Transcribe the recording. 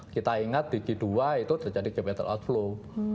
kita ingat di g dua itu terjadi capital outflow